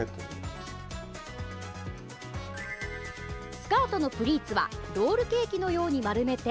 スカートのプリーツはロールケーキのように丸めて